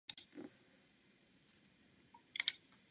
Inst., Lillo; Kew Bull.